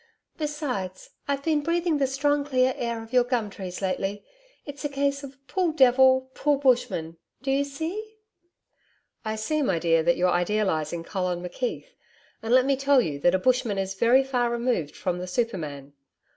Besides, I've been breathing the strong clear air of your gum trees lately. It's a case of pull devil pull bushman. Do you see?' 'I see, my dear, that you're idealising Colin McKeith, and let me tell you that a bushman is very far removed from the super man.